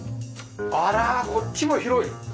あらこっちも広い！